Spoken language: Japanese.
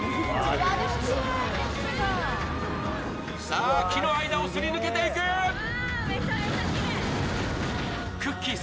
さあ、木の間をすり抜けていく！くっきー！